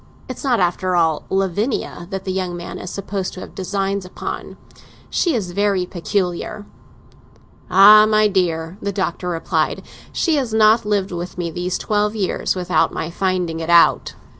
It's not, after all, Lavinia that the young man is supposed to have designs upon. She is very peculiar." "Ah, my dear," the Doctor replied, "she has not lived with me these twelve years without my finding it out!"